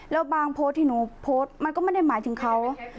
แล้วบางโพสต์ที่หนูโพสต์มันก็ไม่ได้หมายถึงเขา